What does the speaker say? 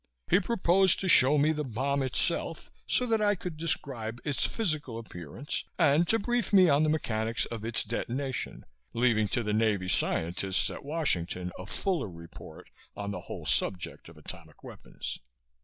He proposed to show me the bomb itself, so that I could describe its physical appearance, and to brief me on the mechanics of its detonation, leaving to the Navy scientists at Washington a fuller report on the whole subject of atomic weapons.